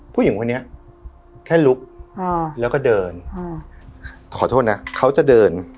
ผู้หญิงคนนี้แค่ลุกแล้วก็เดินขอโทษนะเขาจะเดิน